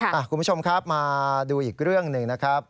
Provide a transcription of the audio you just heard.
คุณผู้ชมครับมาดูอีกเรื่องหนึ่งนะครับ